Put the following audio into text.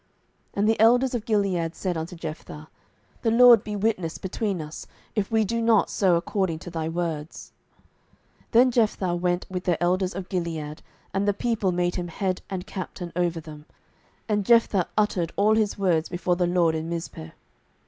07:011:010 And the elders of Gilead said unto Jephthah, The LORD be witness between us, if we do not so according to thy words. 07:011:011 Then Jephthah went with the elders of Gilead, and the people made him head and captain over them: and Jephthah uttered all his words before the LORD in Mizpeh.